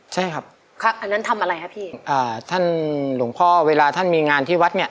ใช่ครับอันนั้นทำอะไรครับพี่อ่าท่านหลวงพ่อเวลาท่านมีงานที่วัดเนี่ย